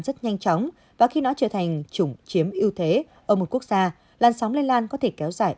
lên sống và khi nó trở thành chủng chiếm ưu thế ở một quốc gia làn sóng lây lan có thể kéo dài